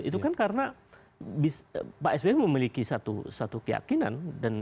itu kan karena pak sbm memiliki satu keyakinan dan